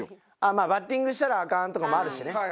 まぁバッティングしたらアカンとかもあるしね。